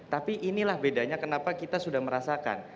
tapi inilah bedanya kenapa kita sudah merasakan